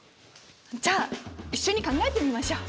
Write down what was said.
じゃあ一緒に考えてみましょう！